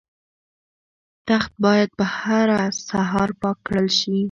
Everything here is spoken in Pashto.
تخت باید په هره سهار پاک کړل شي.